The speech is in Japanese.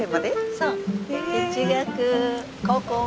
そう。